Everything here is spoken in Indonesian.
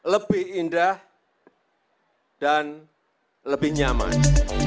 lebih indah dan lebih nyaman